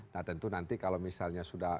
nah tentu nanti kalau misalnya sudah